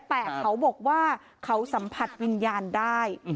แต่เขาบอกว่าเขาสัมผัสวิญญาณได้